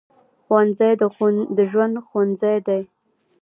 ښوونځی د ژوند ښوونځی دی